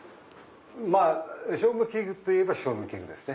まぁ照明器具といえば照明器具ですね。